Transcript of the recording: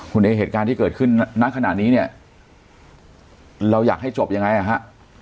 คุณเอเหตุการณ์ที่เกิดขึ้นณขณะนี้เนี่ยเราอยากให้จบยังไงอ่ะฮะ